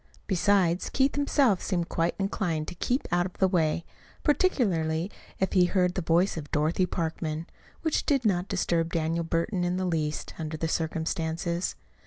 Besides, Keith himself seemed quite inclined to keep out of the way (particularly if he heard the voice of Dorothy Parkman), which did not disturb Daniel Burton in the least, under the circumstances.